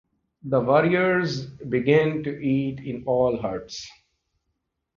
The warriors begin to eat in all the huts.